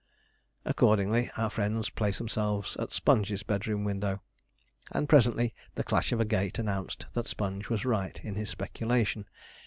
Accordingly, our friends placed themselves at Sponge's bedroom window, and presently the clash of a gate announced that Sponge was right in his speculation.